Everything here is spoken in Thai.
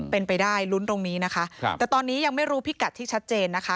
เป็นไปได้ลุ้นตรงนี้นะคะแต่ตอนนี้ยังไม่รู้พิกัดที่ชัดเจนนะคะ